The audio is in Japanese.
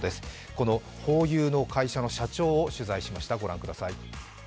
このホーユーの会社の社長を取材しました。